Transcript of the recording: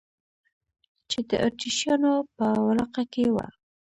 چې د اتریشیانو په ولقه کې وه.